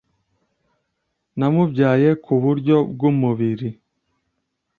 Namubyaye ku buryo bw’ umubiri